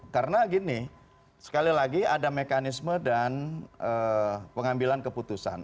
karena gini sekali lagi ada mekanisme dan pengambilan keputusan